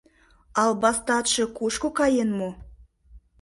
— Албастатше кушко каен мо?